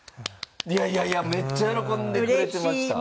いやいやいやめっちゃ喜んでくれてました。